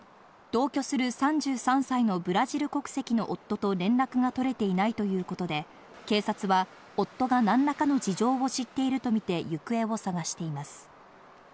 同居する３３歳のブラジル国籍の夫と連絡が取れていないということで、警察は夫が何らかの事情を知っているとみて行方を捜しています。